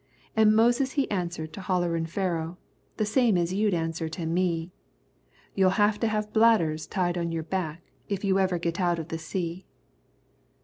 "An' Moses he answered to hollerin' Pharaoh, The same as you'd answer to me, 'You'll have to have bladders tied on to your back, If you ever git out of the sea.'"